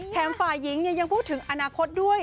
ฝ่ายหญิงยังพูดถึงอนาคตด้วย